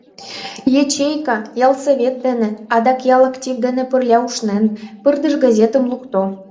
Ячейка, ялсовет дене, адак ял актив дене пырля ушнен, пырдыж газетым лукто.